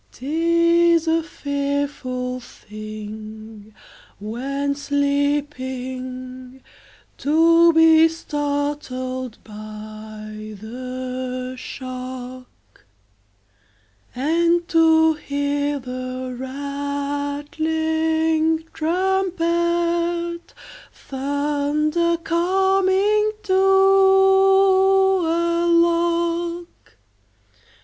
'Tis a fearful thing when sleeping To be startled by the shock, And to hear the rattling trumpet Thunder, "Coming to a lock!"